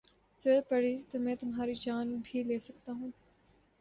ضرورت پڑی تو میں تمہاری جان بھی لے سکتا ہوں